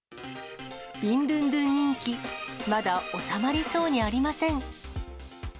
ビンドゥンドゥン人気、まだ収まりそうにありません。